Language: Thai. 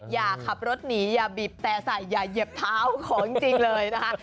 อย่าขับรถหนีอย่าบีบแต่ใส่อย่าเหยียบเท้าของจริงเลยนะคะ